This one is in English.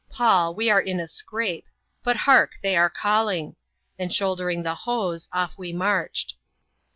Paul, we are in a scrape — but, hark I they are calling ;" and shouldering the hoes, off we marched.